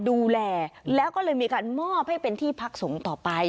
ดูแลแล้วก็เลยมีการมอบให้เป็นที่พักสงฆ์ต่อไป